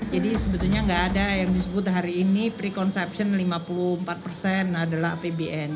jadi sebetulnya nggak ada yang disebut hari ini preconception lima puluh empat adalah apbn